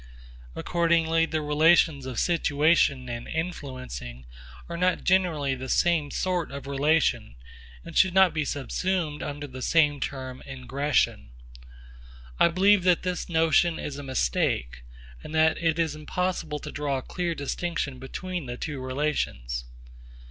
Accordingly the relations of situation and influencing are not generally the same sort of relation, and should not be subsumed under the same term 'ingression.' I believe that this notion is a mistake, and that it is impossible to draw a clear distinction between the two relations.